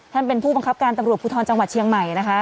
ท่านเป็นผู้บังคับการตำรวจภูทรจังหวัดเชียงใหม่นะคะ